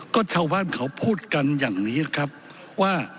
ก็ชาวบ้านเขาพูดกันอย่างนี้ครับว่า